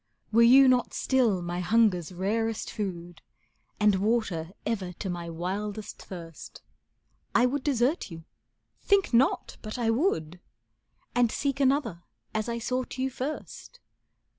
Were you not still my hunger's rarest food, And water ever to my wildest thirst, I would desert you think not but I would! And seek another as I sought you first.